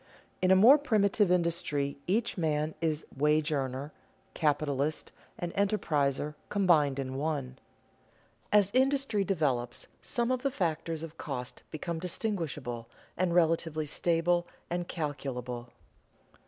_ In a more primitive industry each man is wage earner, capitalist, and enterpriser combined in one. As industry develops, some of the factors of cost become distinguishable, and relatively stable and calculable.